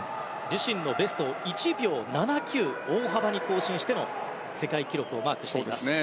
自身のベストを１秒７９大幅に更新しての世界記録をマークしています。